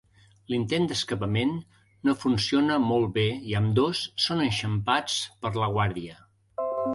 L'intent d'escapament no funciona molt bé i ambdós són enxampats per la guàrdia.